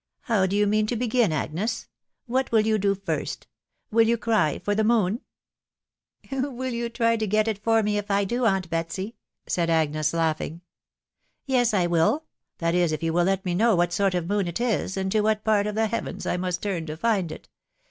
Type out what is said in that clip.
How do you mean to begin, Agnes ?.... What will you do first ?.... Will you cry for the moon ?"" Will you try to get it for me if I do, aunt Betsy ?" said Agnes, laughing. " Yes, I will .... that is, if you will let me know what sort of moon it is, and to what part of the heavens I must turn to find it.